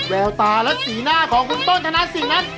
แววตาและสีหน้าของคุณต้นธนสินนั้น